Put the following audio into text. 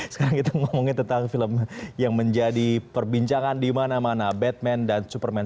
sekarang kita ngomongin tentang film yang menjadi perbincangan di mana mana batman dan superman